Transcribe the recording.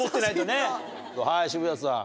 はい渋谷さん。